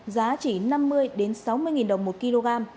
giá chỉ năm mươi sáu mươi đồng một kg